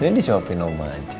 ini disobokin oma aja ya